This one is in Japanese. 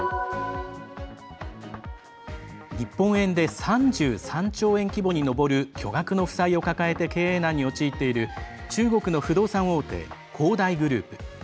日本円で３３兆円規模に上る巨額の負債を抱えて経営難に陥っている中国の不動産大手、恒大グループ。